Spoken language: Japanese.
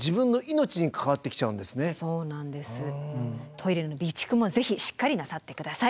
トイレの備蓄もぜひしっかりなさって下さい。